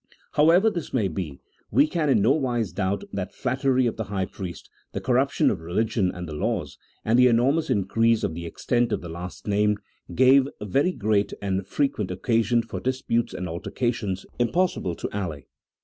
However this may be, we can in nowise doubt that flattery of the high priest, the corruption of re ligion and the laws, and the enormous increase of the extent of the last named, gave very great and frequent occasion for disputes and altercations impossible to allay.